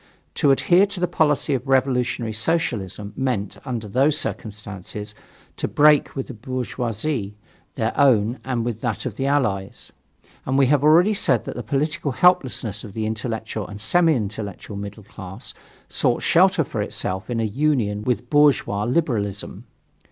To adhere to the policy of Revolutionary Socialism meant, under those circumstances, to break with the bourgeoisie, their own and that of the Allies. And we have already said that the political helplessness of the intellectual and semi intellectual middle class sought shelter for itself in a union with bourgeois liberalism.